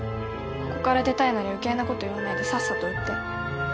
ここから出たいなら余計な事言わないでさっさと売って。